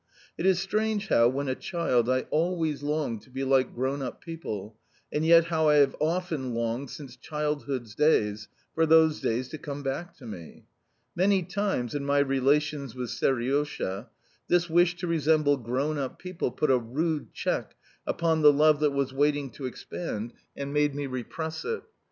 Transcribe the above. It is strange how, when a child, I always longed to be like grown up people, and yet how I have often longed, since childhood's days, for those days to come back to me! Many times, in my relations with Seriosha, this wish to resemble grown up people put a rude check upon the love that was waiting to expand, and made me repress it.